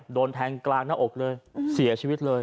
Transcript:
โดนแทงกลางหน้าอกเลยเสียชีวิตเลย